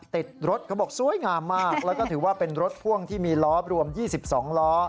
ติดรถเขาบอกสวยงามมากแล้วก็ถือว่าเป็นรถพ่วงที่มีล้อรวม๒๒ล้อ